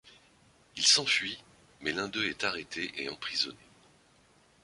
Ils s’enfuient, mais l’un d’eux est arrêté et emprisonné.